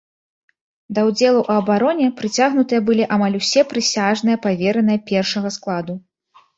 Да ўдзелу ў абароне прыцягнутыя былі амаль усе прысяжныя павераныя першага складу.